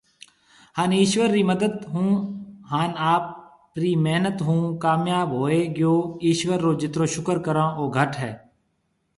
هان ايشور رِي مدد هون هان آپري محنت ھونهُون ڪامياب هوئي گيو ايشور رو جترو شڪر ڪرون او گھٽ هي